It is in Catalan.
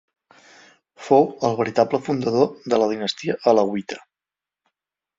Fou el veritable fundador de la dinastia alauita.